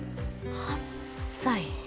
８歳？